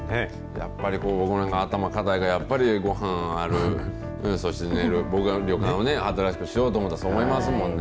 やっぱり、僕なんか頭かたいから、ごはんある、そして寝る、僕が旅館新しくしようと思ったらそう思いますもんね。